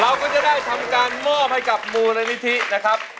เราก็จะได้ทำการมอบให้กับมูลนิธินะครับ